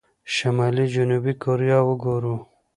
شمالي جنوبي کوريا وګورو.